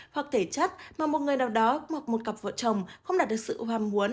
hoặc thể chất mà một người nào đó hoặc một cặp vợ chồng không đạt được sự ham muốn